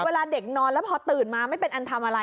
เวลาเด็กนอนแล้วพอตื่นมาไม่เป็นอันทำอะไร